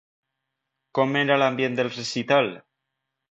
Com era l'ambient del recital?